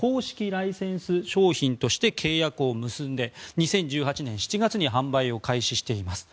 ライセンス商品として契約を結んで２０１８年７月に販売を開始しています。